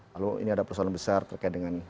lalu ini ada persoalan besar terkait dengan